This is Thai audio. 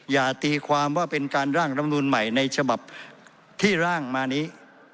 อย่าตีความว่าเป็นการร่างรำนูนใหม่ในฉบับที่ร่างมานี้